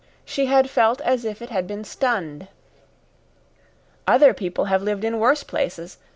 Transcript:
She had felt as if it had been stunned. "Other people have lived in worse places.